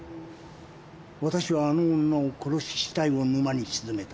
わたしはあの女を殺し死体を沼に沈めた。